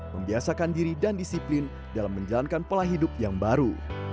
membiasakan diri dan disiplin dalam menjalankan pola hidup yang baru